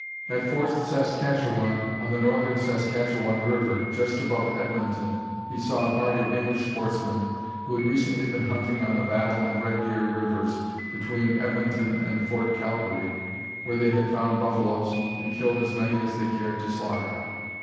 At Fort Saskatchewan, on the North Saskatchewan River, just above Edmonton, he saw a party of English sportsmen who had recently been hunting on the Battle and Red Deer Rivers, between Edmonton and Fort Kalgary, where they had found buffaloes, and killed as many as they cared to slaughter.